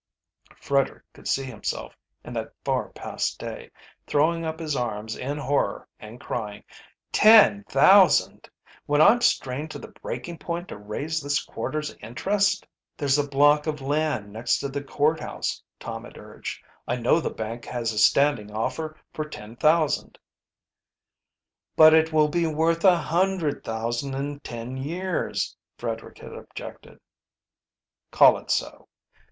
Frederick could see himself, in that far past day, throwing up his arms in horror and crying: "Ten thousand! when I'm strained to the breaking point to raise this quarter's interest!" "There's the block of land next to the court house," Tom had urged. "I know the bank has a standing offer for ten thousand." "But it will be worth a hundred thousand in ten years," Frederick had objected. "Call it so.